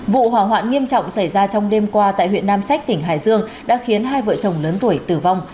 vụ hỏa hoạn nghiêm trọng xảy ra trong đêm qua tại huyện nam sách tỉnh hải dương đã khiến hai vợ chồng lớn tuổi tử vong